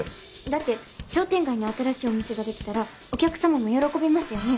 だって商店街に新しいお店ができたらお客様も喜びますよね？